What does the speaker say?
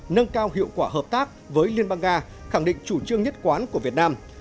nâng cao hiệu quả hợp tác với liên bang nga khẳng định chủ trương nhất quán của việt nam